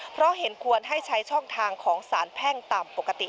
เพราะเห็นควรให้ใช้ช่องทางของสารแพ่งตามปกติ